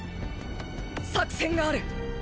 作戦がある。